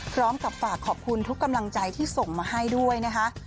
พร้อมกับฝากขอบคุณทุกกำลังใจที่ส่งมาให้ด้วยนะคะ